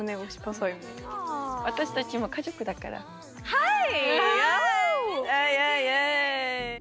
はい！